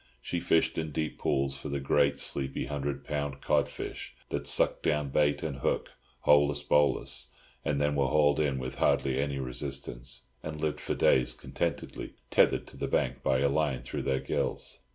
She fished in deep pools for the great, sleepy, hundred pound cod fish that sucked down bait and hook, holus bolus, and then were hauled in with hardly any resistance, and lived for days contentedly, tethered to the bank by a line through their gills.